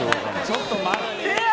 ちょっと待ってや。